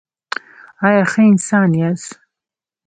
ایا ښه انسان یاست؟